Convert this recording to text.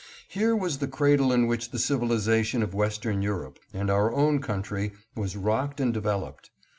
Here was the cradle in which the civiliza tion of Western Europe and our own country was rocked and developed.